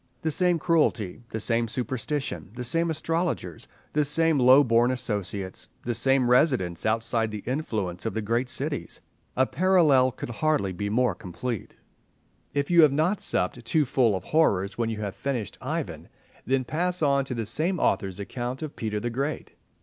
The same cruelty, the same superstition, the same astrologers, the same low born associates, the same residence outside the influence of the great cities—a parallel could hardly be more complete. If you have not supped too full of horrors when you have finished Ivan, then pass on to the same author's account of Peter the Great.